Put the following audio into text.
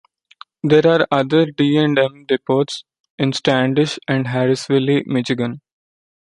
There are other D and M depots in Standish and Harrisville, Michigan.